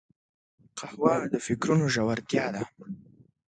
قهوه د فکرونو ژورتیا ده